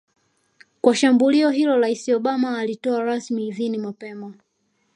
kwa shambulio hilo Rais Obama alitoa rasmi idhini mapema